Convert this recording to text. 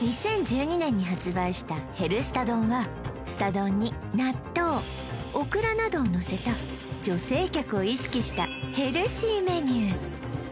２０１２年に発売したヘルすた丼はすた丼に納豆オクラなどをのせた女性客を意識したヘルシーメニュー